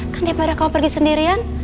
kan daripada kau pergi sendirian